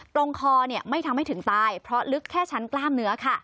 ตรงคอไม่ทำให้ถึงตายเพราะลึกแค่ชั้นกล้ามเนื้อค่ะ